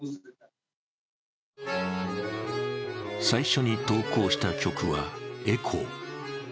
最初に投稿した曲は「エコー」。